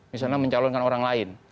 misalnya mencalonkan orang lain